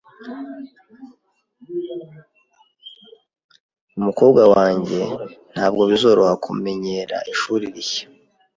Umukobwa wanjye ntabwo bizoroha kumenyera ishuri rishya.